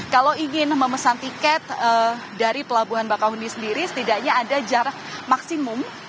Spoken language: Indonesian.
kalau ingin memesan tiket dari pelabuhan bakahuni sendiri setidaknya ada jarak maksimum